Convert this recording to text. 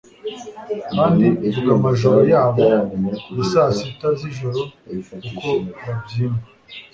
Kandi vuga amajoro yabo ya saa sita z'ijoro uko babyimba;